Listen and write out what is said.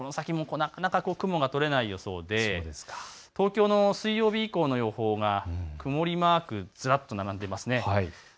なかなか雲が取れない予想で、東京も水曜日以降の予想が曇りマークずらっと並んでいます。